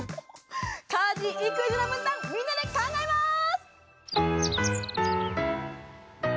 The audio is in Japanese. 家事育児の分担みんなで考えます。